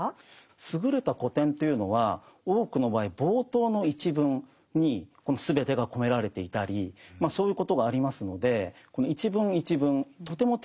優れた古典というのは多くの場合冒頭の一文に全てが込められていたりそういうことがありますのでこの一文一文とても丁寧に読んでいくことが必要だと思います。